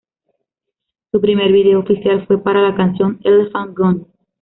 Su primer vídeo oficial fue para la canción "Elephant Gun".